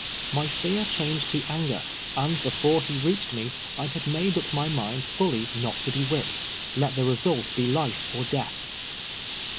My fear changed to anffer, and before he reached me I had nuide \w mv mind fully not to be wdiipj^ied, let the result be life or death.